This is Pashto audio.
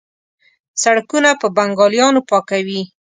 سړکونه په بنګالیانو پاکوي.